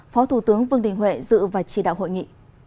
phó thủ tướng vương đình huệ dự và chỉ đạo hội nghị